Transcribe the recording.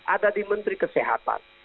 ada di menteri kesehatan